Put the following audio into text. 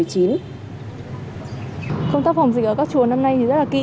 công tác phòng dịch ở các chùa năm nay thì rất là kỹ